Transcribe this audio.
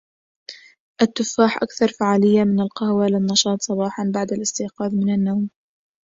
التفاح أكثر فعالية من القهوة للنشاط صباحا بعد الإستيقاظ من النوم.